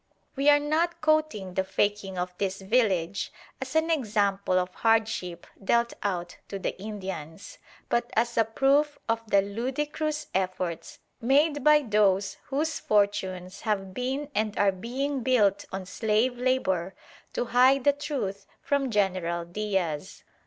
We are not quoting the "faking" of this village as an example of hardship dealt out to the Indians, but as a proof of the ludicrous efforts made by those whose fortunes have been and are being built on slave labour to hide the truth from General Diaz.